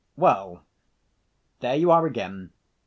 "Well, there you are again....